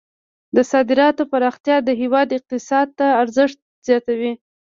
د صادراتو پراختیا د هیواد اقتصاد ته ارزښت زیاتوي.